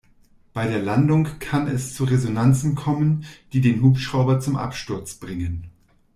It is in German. Bei der Landung kann es zu Resonanzen kommen, die den Hubschrauber zum Absturz bringen.